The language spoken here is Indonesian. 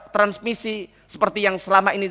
transmisi seperti yang selama ini